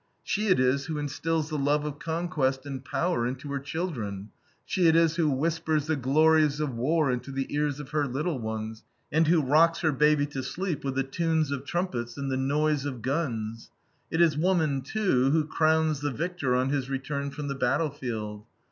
She it is who instills the love of conquest and power into her children; she it is who whispers the glories of war into the ears of her little ones, and who rocks her baby to sleep with the tunes of trumpets and the noise of guns. It is woman, too, who crowns the victor on his return from the battlefield.